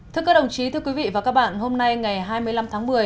thưa các đồng chí thưa quý vị và các bạn hôm nay ngày hai mươi năm tháng một mươi